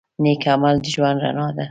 نیک عمل د ژوند رڼا ده.